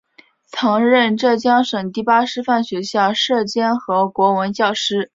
曾任浙江省第八师范学校舍监和国文教师。